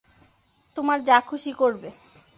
তোমার যা খুশি করবে।